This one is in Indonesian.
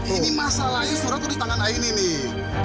ini masalahnya surat ditangan aini nih